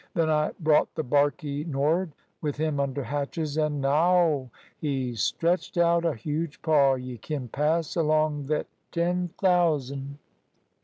Then I brought the barkey nor'ard with him under hatches, and naow" he stretched out a huge paw "y' kin pass along thet ten thousand."